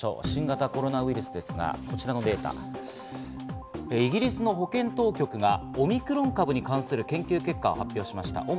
新型コロナウイルスですが、こちらのデータ、イギリスの保健当局がオミクロン株に関する研究結果を発表しました。